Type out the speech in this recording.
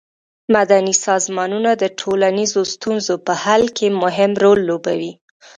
مدني سازمانونه د ټولنیزو ستونزو په حل کې مهم رول لوبوي.